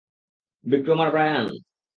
বিক্রম আর ব্রায়ান?